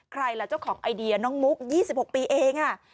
ล่ะเจ้าของไอเดียน้องมุก๒๖ปีเอง